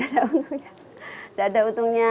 tidak ada untungnya